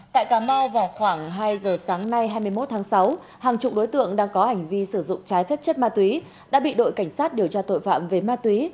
tại cà mau vào khoảng hai giờ sáng nay hai mươi một tháng sáu hàng chục đối tượng đang có hành vi sử dụng trái phép chất ma túy đã bị đội cảnh sát điều tra tội phạm về ma túy